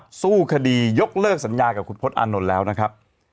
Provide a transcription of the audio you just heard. สู้คดียกเลิกสัญญากับคุณพจน์อานนท์แล้วนะครับ